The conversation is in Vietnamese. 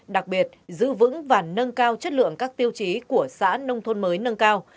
đặc biệt giữ vững và nâng cao chất lượng các tiêu chí của xã nông thôn mới nâng cao